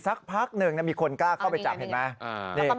สักพักหนึ่งมีคนกล้าเข้าไปจับเห็นไหม